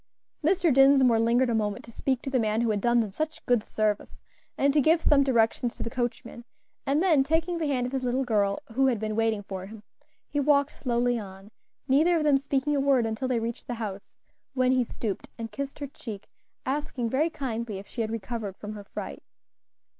Mr. Dinsmore lingered a moment to speak to the man who had done them such good service, and to give some directions to the coachman; and then, taking the hand of his little girl, who had been waiting for him, he walked slowly on, neither of them speaking a word until they reached the house, when he stooped and kissed her cheek, asking very kindly if she had recovered from her fright.